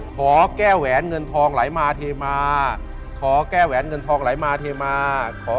ขอแก้แหวนเงินทองไหลมาเทมา